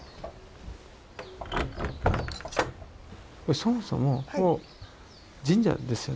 そもそも神社ですよね。